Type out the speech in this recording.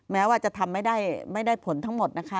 แม้ว่าจะทำไม่ได้ผลทั้งหมดนะคะ